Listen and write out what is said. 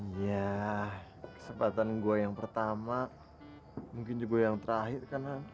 iya kesempatan gue yang pertama mungkin juga yang terakhir kan han